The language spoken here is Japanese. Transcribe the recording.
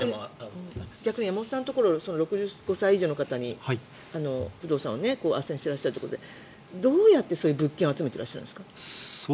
逆に山本さんのところでは６５歳以上の方に不動産をあっせんしていらっしゃるということでどうやってそういう物件を集めていらっしゃるんですか？